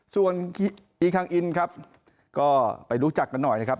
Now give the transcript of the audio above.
ส่วนอีคังอินครับก็ไปรู้จักกันหน่อยนะครับ